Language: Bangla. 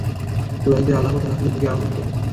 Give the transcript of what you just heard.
কুরাইশদের আল্লাহ ও তাঁর রাসূলের দিকে আহবান করব।